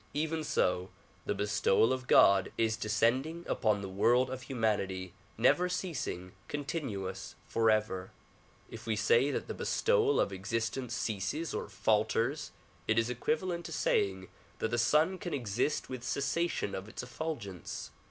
Even so the bestowal of God is descending upon the world of humanity, never ceasing, continuous, forever. If we say that the bestowal of exist ence ceases or falters it is equivalent to saying that the sun can exist with cessation of its effulgence.